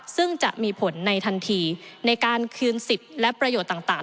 ซึ่งจะมีผลในทันทีในการคืนสิทธิ์และประโยชน์ต่าง